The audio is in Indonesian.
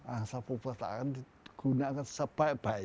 asal perpustakaan digunakan sebaik baiknya